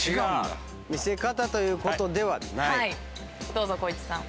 どうぞ光一さん。